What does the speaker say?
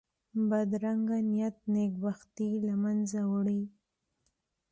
بدرنګه نیت نېک بختي له منځه وړي